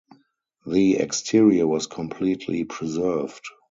The exterior was completely preserved.